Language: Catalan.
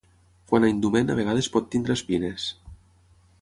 Quant a indument a vegades pot tenir espines.